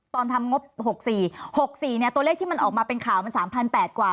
ตอนทำงบ๖๔๖๔เนี่ยตัวเลขที่มันออกมาเป็นข่าวมัน๓๘๐๐กว่า